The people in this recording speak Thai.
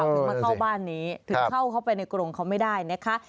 ถึงมาเข้าบ้านนี้ถึงเข้าเขาไปในกรงเขาไม่ได้นะคะ